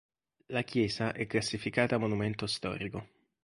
La chiesa è classificata monumento storico.